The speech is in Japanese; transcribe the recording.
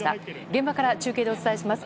現場から中継でお伝えします。